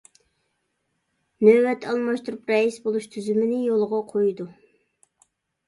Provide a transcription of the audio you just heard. نۆۋەت ئالماشتۇرۇپ رەئىس بولۇش تۈزۈمىنى يولغا قويىدۇ.